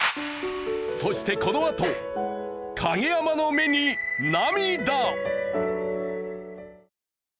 そしてこのあと影山の目に涙。